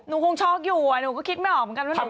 คงช็อกอยู่หนูก็คิดไม่ออกเหมือนกันว่าหนู